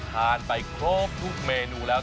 ทานไปครบทุกเมนูแล้ว